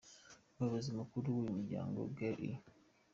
Umuyobozi Mukuru w’uyu muryango, Gary E.